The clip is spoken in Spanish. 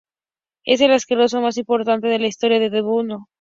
Es el arquero más importante de la historia de Danubio.